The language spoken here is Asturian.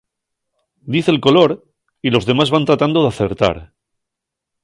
Diz el color, y los demás van tratando d'acertar.